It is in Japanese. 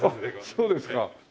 あっそうですか。